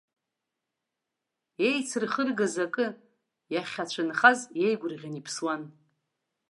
Иеицырхыргаз акы иахьацәынхаз иеигәырӷьаны иԥсуан.